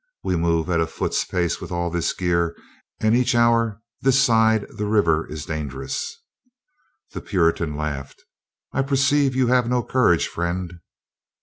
We move at a foot's pace with all this gear and each hour this side the river is dangerous." The Puritan laughed. "I perceive you have no courage, friend."